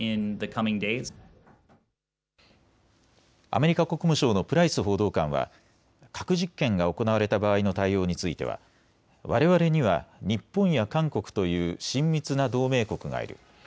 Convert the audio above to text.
アメリカ国務省のプライス報道官は核実験が行われた場合の対応についてはわれわれには日本や韓国という親密な同盟国がいる。